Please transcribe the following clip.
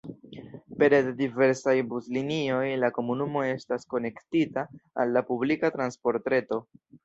Pere de diversaj buslinioj la komunumo estas konektita al la publika transportreto.